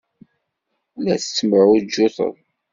La tettemɛujjuted.